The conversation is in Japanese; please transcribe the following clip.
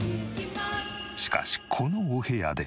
しかしこのお部屋で。